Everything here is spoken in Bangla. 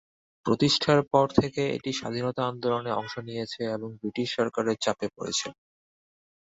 প্রতিষ্ঠার পর থেকে এটি স্বাধীনতা আন্দোলনে অংশ নিয়েছে এবং ব্রিটিশ সরকারের চাপে পড়েছিল।